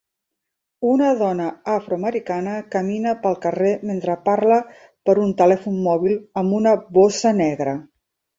Una dona afroamericana camina pel carrer mentre parla per un telèfon mòbil amb una bossa negra.